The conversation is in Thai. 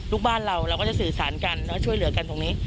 ลูกบ้านเราเราก็จะสื่อสารกันช่วยเหลือกันตรงนี้